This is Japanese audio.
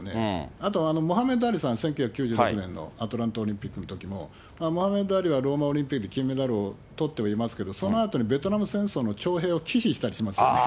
あとモハメド・アリさん、１９９６年のアトランタオリンピックのときも、モハメド・アリはローマオリンピック、金メダルをとってはいますけれども、そのあとにベトナム戦争の徴兵を忌避しましたよね。